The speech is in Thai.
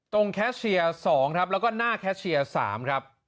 แคชเชียร์๒ครับแล้วก็หน้าแคชเชียร์๓ครับ